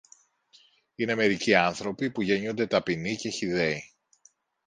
Είναι μερικοί άνθρωποι που γεννιούνται ταπεινοί και χυδαίοι.